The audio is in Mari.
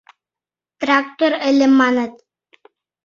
Трактор ыле, маныт.